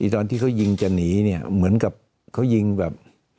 ตอนที่เขายิงจะหนีเนี่ยเหมือนกับเขายิงแบบ